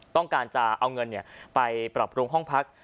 ต้องการจะเอาเงินไปปรับปรุงห้องพัก